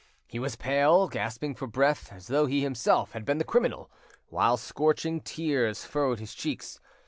He was pale, gasping for breath, as though he himself had been the criminal, while scorching tears furrowed his cheeks.